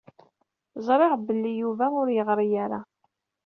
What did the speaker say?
Ẓriɣ belli Yuba ur yeɣri ara.